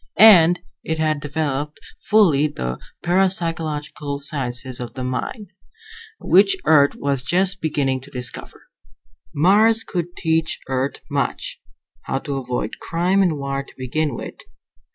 And it had developed fully the parapsychological sciences of the mind, which Earth was just beginning to discover. Mars could teach Earth much. How to avoid crime and war to begin with.